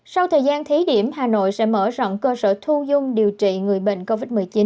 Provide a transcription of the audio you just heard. sau thời gian thí điểm hà nội sẽ mở rộng cơ sở thu dung điều trị người bệnh covid một mươi chín